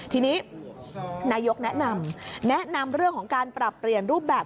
ทีนี้นายกแนะนำแนะนำเรื่องของการปรับเปลี่ยนรูปแบบ